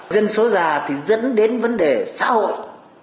dân số già thì dẫn đến vấn đề xã hội